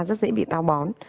rất dễ bị tao bón